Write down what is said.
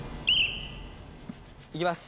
いきます。